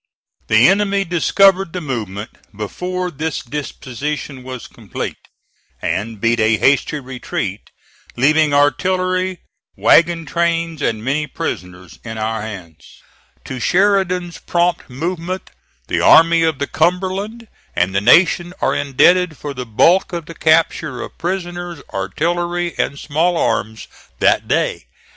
The enemy discovered the movement before these dispositions were complete, and beat a hasty retreat, leaving artillery, wagon trains, and many prisoners in our hands. To Sheridan's prompt movement the Army of the Cumberland, and the nation, are indebted for the bulk of the capture of prisoners, artillery, and small arms that day.